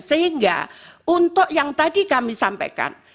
sehingga untuk yang tadi kami sampaikan